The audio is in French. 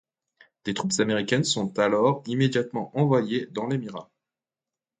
Des troupes américaines sont alors immédiatement envoyées dans l’émirat.